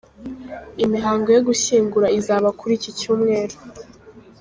Imihango yo gushyingura izaba kuri iki Cyumweru.